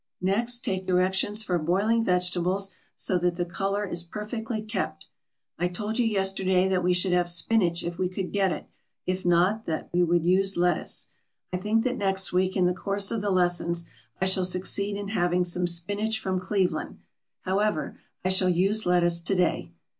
Next take directions for boiling vegetables, so that the color is perfectly kept. I told you yesterday that we should have spinach if we could get it, if not, that we would use lettuce. I think that next week, in the course of the lessons, I shall succeed in having some spinach from Cleveland. However, I shall use lettuce to day.